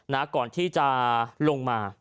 ก่อนที่จะลงมา